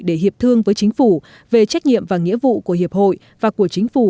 để hiệp thương với chính phủ về trách nhiệm và nghĩa vụ của hiệp hội và của chính phủ